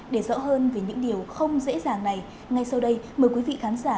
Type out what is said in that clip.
để rõ hơn về những điều không dễ dàng này ngay sau đây mời quý vị khán giả